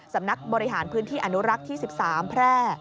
สำนักบริหารพื้นที่อนุรักษ์ที่๑๓แพร่